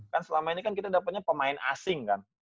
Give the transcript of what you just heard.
kan selama ini kan kita dapatnya pemain asing kan